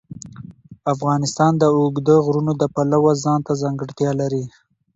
افغانستان د اوږده غرونه د پلوه ځانته ځانګړتیا لري.